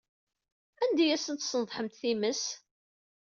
Anda ay asent-tesnedḥemt times?